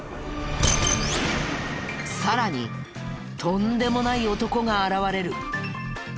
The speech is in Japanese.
さらにとんでもない男が現れる。